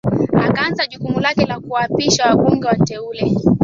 akaanza jukumu lake la kuwaapisha wabunge wateule